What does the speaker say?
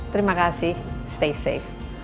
terima kasih stay safe